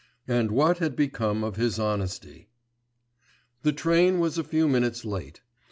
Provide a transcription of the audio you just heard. and what had become of his honesty? The train was a few minutes late.